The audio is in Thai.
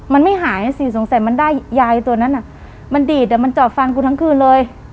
มันไม่หายสิสงสัยมันได้ยายตัวนั้นมันดีดอ่ะมันจอดฟันกูทั้งคืนเลย